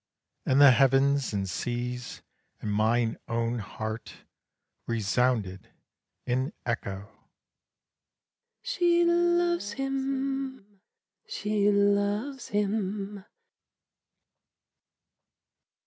And the heavens and seas and mine own heart Resounded in echo She loves him!